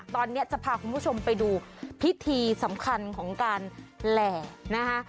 ตอนนี้จะพาคุณผู้ชมไปดูพิธีสำคัญของการแหล่นะคะ